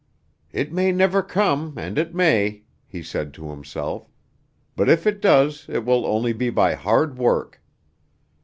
"It may never come, and it may," he said to himself, "but if it does it will only be by hard work."